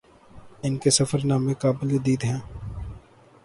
ان کے سفر نامے قابل دید ہیں